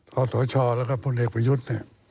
ขอตัวชอแล้วก็ผู้เล็กประยุทธ์